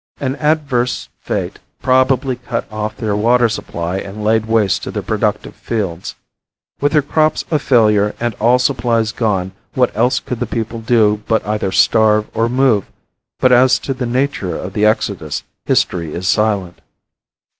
An adverse fate probably cut off their water supply and laid waste their productive fields. With their crops a failure and all supplies gone what else could the people do but either starve or move, but as to the nature of the exodus history is silent.